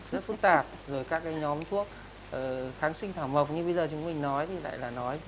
rất phức tạp rồi các cái nhóm thuốc kháng sinh thảo mộc như bây giờ chúng mình nói thì lại là nói